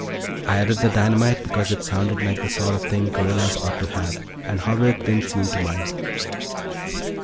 I added the dynamite because it sounded like the sort of thing guerrillas ought to have, and Hollerith didn't seem to mind.